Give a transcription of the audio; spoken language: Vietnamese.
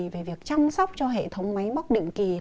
về việc chăm sóc cho hệ thống máy móc định kỳ